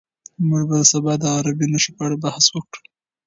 موږ به سبا د عربي نښو په اړه بحث وکړو.